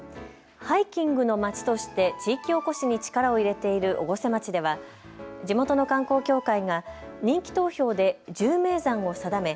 ハイキングのまちとして地域おこしに力を入れている越生町では地元の観光協会が人気投票で１０名山を定め